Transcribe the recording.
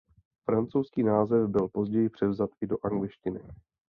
Francouzský název byl později převzat i do angličtiny.